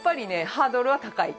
ハードルは高い。